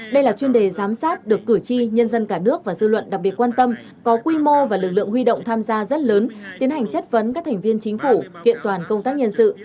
đây là chuyên đề giám sát được cử tri nhân dân cả nước và dư luận đặc biệt quan tâm có quy mô và lực lượng huy động tham gia rất lớn tiến hành chất vấn các thành viên chính phủ kiện toàn công tác nhân sự